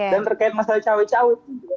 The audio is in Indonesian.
dan terkait masalah cawi cawi